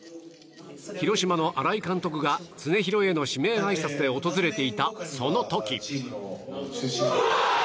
広島の新井監督が常廣への指名あいさつで訪れていた、その時。